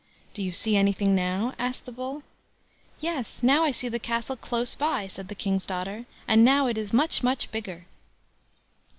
"Do you see anything now?" asked the Bull. "Yes, now I see the castle close by", said the King's daughter, "and now it is much, much bigger."